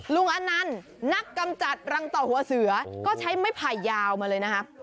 อนันต์นักกำจัดรังต่อหัวเสือก็ใช้ไม้ไผ่ยาวมาเลยนะครับ